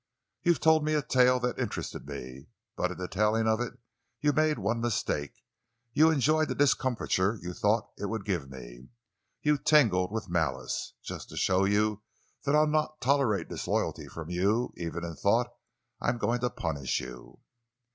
"You've told me a tale that interested me, but in the telling of it you made one mistake—you enjoyed the discomfiture you thought it would give me. You tingled with malice. Just to show you that I'll not tolerate disloyalty from you—even in thought—I'm going to punish you."